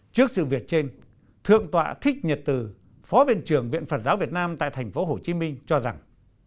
trước sự việc trên thượng tọa thích nhật từ phó viện trưởng viện phật giáo việt nam tại tp hcm cho rằng